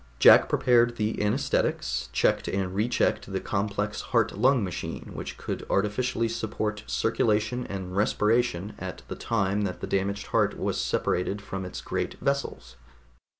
Jack prepared the anaesthetics, checked and rechecked the complex heart lung machine which could artificially support circulation and respiration at the time that the damaged heart was separated from its great vessels.